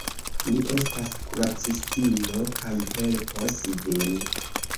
Mi estas kuracistino kaj helpos vin.